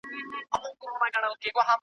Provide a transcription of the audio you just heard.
او د هري ښایستې کلمې د کارولو لپاره ځای لري